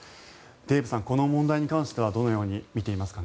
デーブさん、この問題に関してはどのように見ていますか。